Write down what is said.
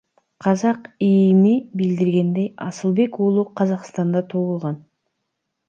Казак ИИМи билдиргендей, Асылбек уулу Казакстанда туулган.